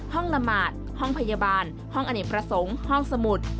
ละหมาดห้องพยาบาลห้องอเนกประสงค์ห้องสมุทร